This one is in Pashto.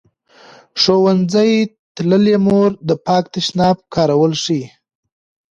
ښوونځې تللې مور د پاک تشناب کارول ښيي.